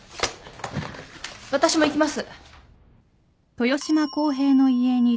私も行きます。